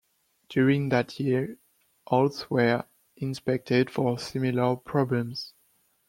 During that year, all s were inspected for similar problems.